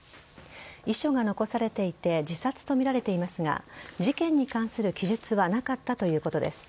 遺書が残されていて自殺とみられていますが事件に関する記述はなかったということです。